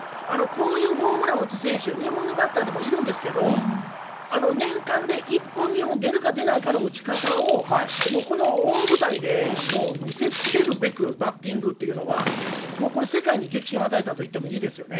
こういうホームランを打つ選手、日本のバッターでもいるんですけど、年間で１本、２本出るか出ないかの打ち方を、もうこの大舞台でもう見せつけるべく、バッティングというのは、もう、これ世界に激震を与えたといってもいいですよね。